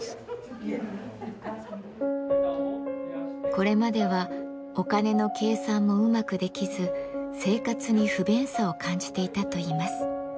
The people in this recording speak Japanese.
これまではお金の計算もうまくできず生活に不便さを感じていたといいます。